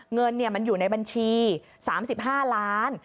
เงินมันอยู่ในบัญชี๓๕ล้าน